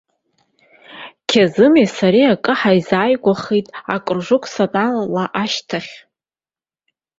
Қьаазыми сареи акыр ҳаизааигәахеит акружок саналала ашьҭахь.